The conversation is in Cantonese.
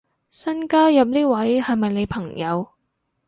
新加入呢位係咪你朋友